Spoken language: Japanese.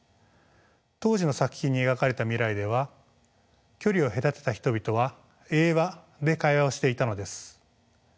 当時の作品に描かれた未来では距離を隔てた人々は映話で会話していたのです。